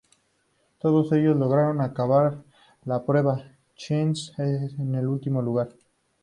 Todos ellos lograron acabar la prueba, Cheng en el último lugar.